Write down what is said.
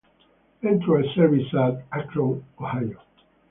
Entered service at: Akron, Ohio.